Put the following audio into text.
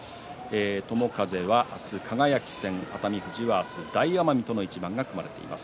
友風は明日、輝戦熱海富士は明日、大奄美との一番が組まれています。